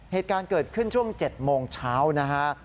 เหตุการณ์เกิดขึ้นช่วง๗โมงเช้านะฮะ